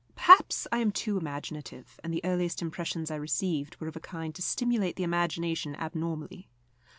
Perhaps I am too imaginative, and the earliest impressions I received were of a kind to stimulate the imagination abnormally.